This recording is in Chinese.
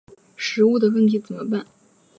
食物的问题怎么办？